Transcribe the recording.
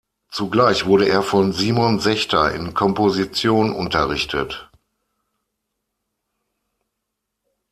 Zugleich wurde er von Simon Sechter in Komposition unterrichtet.